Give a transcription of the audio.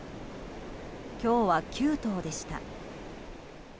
今日は、９頭でした。